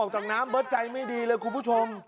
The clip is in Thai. จากน้ำเบิร์ตใจไม่ดีเลยคุณผู้ชม